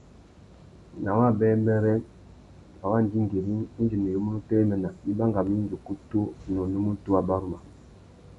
Nà wabêbêrê, nà wa ndingüîring, indi nuyumú nu téréména, i bangamú indi ukutu na unúmútú wá baruma.